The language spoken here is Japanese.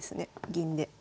銀で。